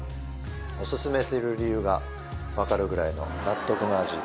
オススメする理由が分かるぐらいの納得の味